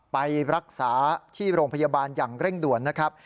ไปรักษาที่โรงพยาบาลอย่างเร่งด่วนนะครับ